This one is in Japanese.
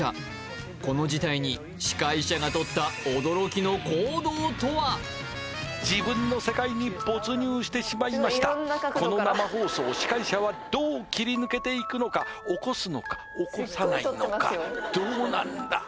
この事態に自分の世界に没入してしまいましたこの生放送司会者はどう切り抜けていくのか起こすのか起こさないのかどうなんだ？